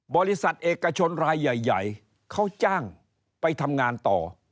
บริษัทเอกชนรายใหญ่เขาจ้างไปทำงานต่อ